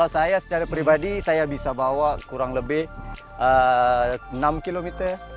saya secara pribadi saya bisa bawa kurang lebih enam kilometer